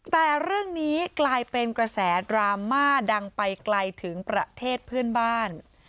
แต่เรื่องนี้กลายเป็นกระแสดราม่าดังไปไกลถึงประเทศเพื่อนบ้าน